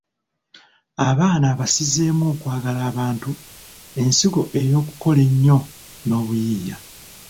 Abaana abasizeemu okwagala abantu, ensigo ey'okukola ennyo n'obuyiiya.